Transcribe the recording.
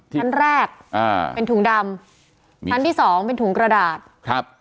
ชั้นแรกอ่าเป็นถุงดำชั้นที่สองเป็นถุงกระดาษครับ